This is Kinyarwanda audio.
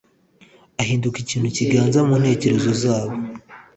ahinduka ikintu kiganza mu ntekerezo zabo.